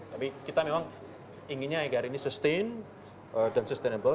tapi kita memang inginnya agar ini sustain dan sustainable